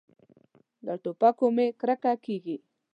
له ټوپکو مې کرکه کېږي.